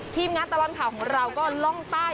ทีมงานตลอดข่าวของเราก็ล่องใต้